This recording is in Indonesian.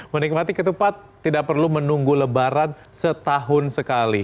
menikmati ketupat tidak perlu menunggu lebaran setahun sekali